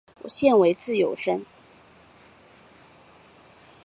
现为自由身。